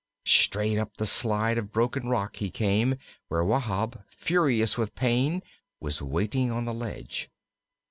Straight up the slide of broken rock he came, where Wahb, ferocious with pain, was waiting on the ledge.